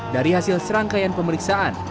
dari hasil serangkaian pemeriksaan